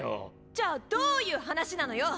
じゃあどういう話なのよ